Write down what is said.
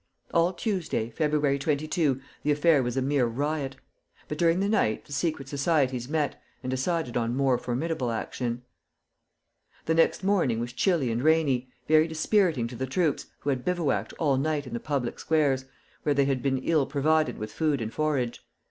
All Tuesday, February 22, the affair was a mere riot. But during the night the secret societies met, and decided on more formidable action. The next morning was chilly and rainy, very dispiriting to the troops, who had bivouacked all night in the public squares, where they had been ill provided with food and forage.